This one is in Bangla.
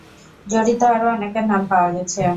জড়িত আরও অনেকের নাম পাওয়া গেছে।